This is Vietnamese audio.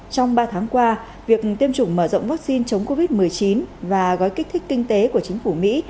trong ba tháng qua việc tiêm chủng mở rộng vaccine chống covid một mươi chín và gói kích thích kinh tế của chính phủ mỹ